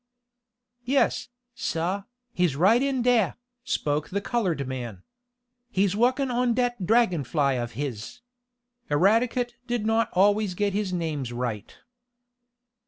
"Yes, sah, he's right in dere," spoke the colored man. "He's workin' on dat Dragon Fly of his." Eradicate did not always get his names right.